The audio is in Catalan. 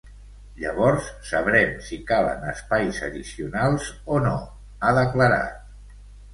Llavors sabrem si calen espais addicionals o no, ha declarat.